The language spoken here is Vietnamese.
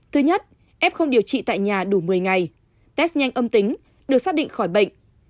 thứ nhất em không điều trị tại nhà đủ một mươi ngày test nhanh âm tính được xác định khỏi bệnh